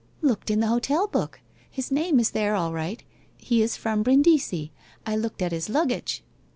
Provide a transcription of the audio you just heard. '' Looked in the hotel book. His name is there all right. He is from Brindisi, I looked at his luggage.